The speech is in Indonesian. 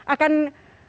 akan terjadi kembali